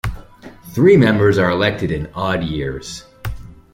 Three members are elected in odd years.